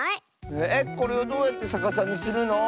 えっこれをどうやってさかさにするの？